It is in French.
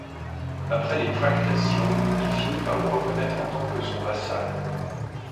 Après des tractations, il finit par le reconnaître en tant que son vassal.